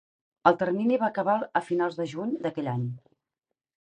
El termini va acabar a finals de juny d'aquell any.